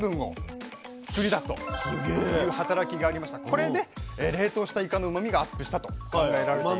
これで冷凍したイカのうまみがアップしたと考えられているんです。